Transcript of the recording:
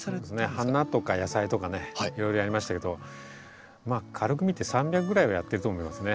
花とか野菜とかねいろいろやりましたけどまあ軽く見て３００ぐらいはやってると思いますね。